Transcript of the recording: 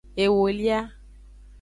Ewolia.